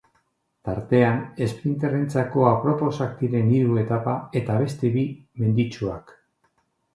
Tartean esprinterrentzako aproposak diren hiru etapa, eta beste bi, menditsuak.